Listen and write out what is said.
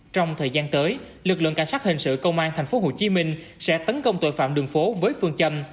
trong thời gian tới lực lượng cảnh sát hình sự công an tp hcm sẽ tấn công tội phạm đường phố với phương châm